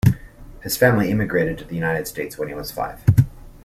His family emigrated to the United States when he was five.